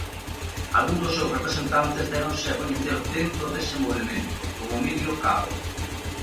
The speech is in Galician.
Algúns dos seus representantes déronse a coñecer dentro dese movemento, como Emilio Cao.